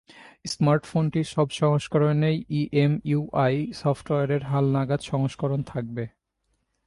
স্মার্টফোনটির সব সংস্করণেই ইএমইউআই সফটওয়্যারের হালনাগাদ সংস্করণ থাকবে।